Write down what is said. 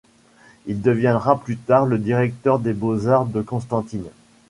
Il deviendra plus tard le directeur des Beaux-Arts de Constantine.